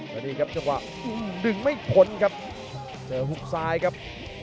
แล้วนี่ครับจังหวะดึงไม่พ้นครับเจอหุบซ้ายครับ